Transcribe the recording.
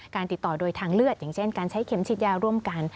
ติดต่อโดยทางเลือดอย่างเช่นการใช้เข็มฉีดยาร่วมกัน